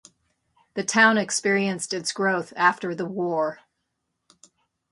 The town experienced its growth after the war.